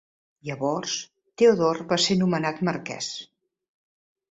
Llavors, Teodor va ser nomenat marquès.